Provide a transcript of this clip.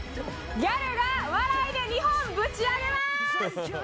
ギャルが笑いで日本ぶち上げます！